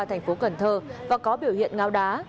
tp cần thơ và có biểu hiện ngáo đá